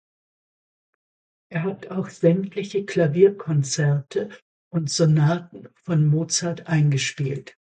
Er hat auch sämtliche Klavierkonzerte und -sonaten von Mozart eingespielt.